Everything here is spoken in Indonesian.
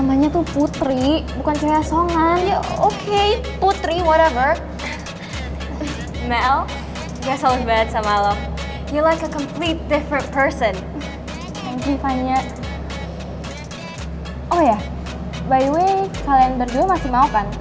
by the way kalian berdua masih mau kan